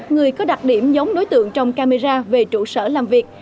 người có đặc điểm giống đối tượng trong camera về trụ sở làm việc